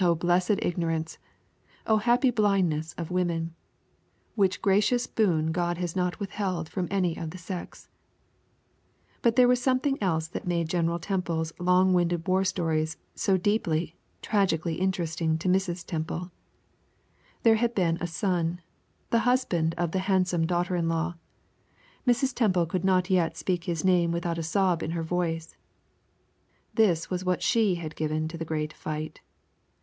O blessed ignorance O happy blindness of women! which gracious boon God has not withheld from any of the sex. But there was something else that made General Temple's long winded war stories so deeply, tragically interesting to Mrs. Temple. There had been a son the husband of the handsome daughter in law Mrs. Temple could not yet speak his name without a sob in her voice. That was what she had given to the great fight.